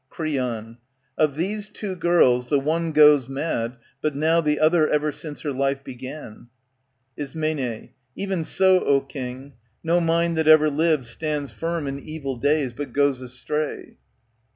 ^^ Creon, Of these two girls, the one goes mad but now, The other ever since her life began. Ism, E'en so, O king ; no mind that ever lived Stands firm in evil days, but goes astray.